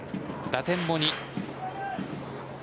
打点も２。